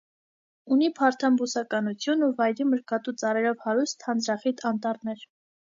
Ունի փարթամ բուսականություն ու վայրի մրգատու ծառերով հարուստ թանձրախիտ անտառներ։